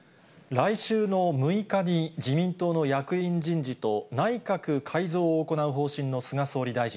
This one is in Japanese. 来週の６日に、自民党の役員人事と内閣改造を行う方針の菅総理大臣。